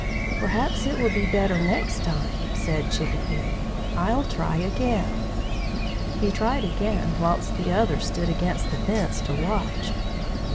"Perhaps it will be better next time," said Chick a pick. "I'll try again." He tried again, whilst the others stood against the fence to watch.